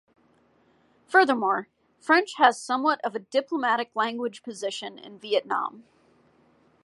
Furthermore, French has somewhat of a diplomatic language position in Vietnam.